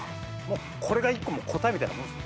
もうこれが１個答えみたいなもんっす。